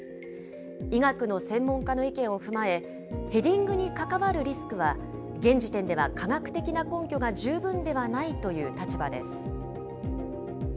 医学の専門家の意見を踏まえ、ヘディングに関わるリスクは、現時点では科学的な根拠が十分ではないという立場です。